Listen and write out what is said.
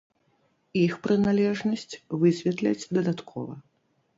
Іх прыналежнасць высветляць дадаткова.